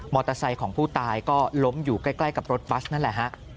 ไซค์ของผู้ตายก็ล้มอยู่ใกล้กับรถบัสนั่นแหละฮะ